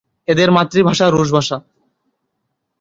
এদের মাতৃভাষা রুশ ভাষা।